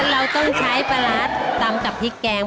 เราต้องใช้ปลาร้าตำกับพริกแกง